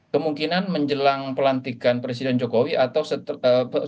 kemungkinan menjelang pelantikan presiden jokowi atau setelah